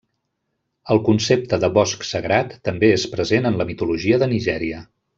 El concepte de bosc sagrat també és present en la mitologia de Nigèria.